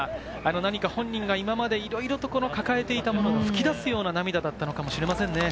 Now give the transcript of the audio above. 本人が今までいろいろと抱えていたものがふき出すような涙だったのかもしれませんね。